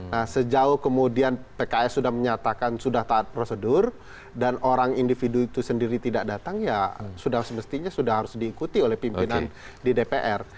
nah sejauh kemudian pks sudah menyatakan sudah taat prosedur dan orang individu itu sendiri tidak datang ya sudah semestinya sudah harus diikuti oleh pimpinan di dpr